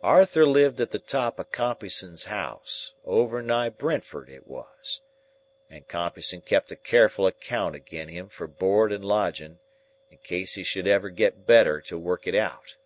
Arthur lived at the top of Compeyson's house (over nigh Brentford it was), and Compeyson kept a careful account agen him for board and lodging, in case he should ever get better to work it out.